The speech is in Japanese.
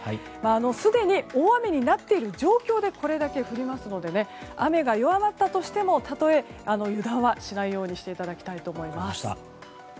すでに大雨になっている状況でこれだけ降りますので雨が弱まったとしてもたとえ油断はしないようにしていただきたいと思います。